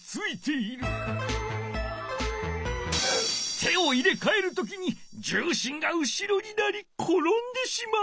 手をいれかえるときにじゅうしんが後ろになりころんでしまう。